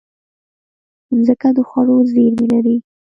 مځکه د خوړو زېرمې لري.